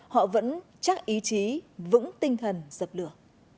họ vẫn chắc ý chí vững tinh thần dập lửa